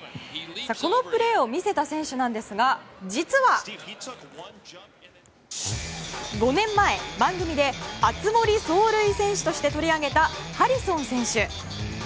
このプレーを見せた選手なんですが実は、５年前、番組で熱盛走塁選手として取り上げたハリソン選手。